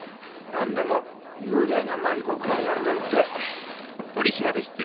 なんでも幽霊がマリコくんを呼んでるって。